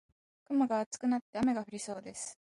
雲が厚くなって雨が降りそうです。